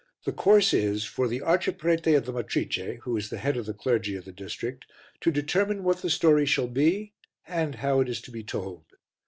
The course is for the arciprete of the Matrice, who is the head of the clergy of the district, to determine what the story shall be and how it is to be told.